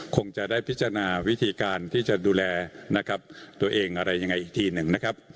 คงจะได้พิจารณาวิธีการที่จะดูแลนะครับตัวเองอะไรยังไงอีกทีหนึ่งนะครับ